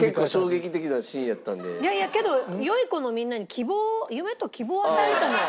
いやいやけど良い子のみんなに希望夢と希望を与えると思う。